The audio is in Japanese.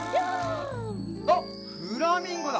あっフラミンゴだ！